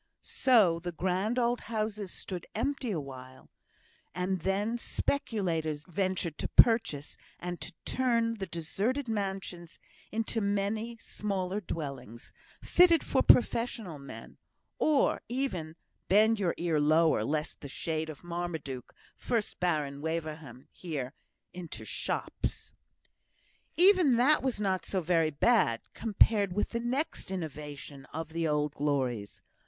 So the grand old houses stood empty awhile; and then speculators ventured to purchase, and to turn the deserted mansions into many smaller dwellings, fitted for professional men, or even (bend your ear lower, lest the shade of Marmaduke, first Baron Waverham, hear) into shops! Even that was not so very bad, compared with the next innovation on the old glories.